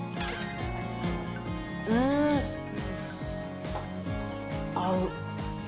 うーん。合う！